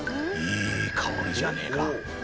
いい香りじゃねえか。